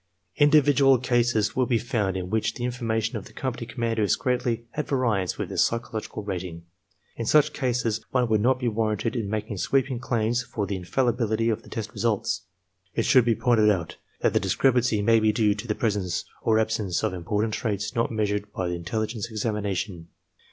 Individual cases will be found in which the information of the company commander is greatly at variance with the psycho EXAMINER^S GUIDE 61 logical rating. In such cases one would not be warranted in making sweeping claims for the infalHbiHty of the test results. It should be pointed out that the discrepancy may be due to the presence or absence of important traits not measured by the intelligence examination.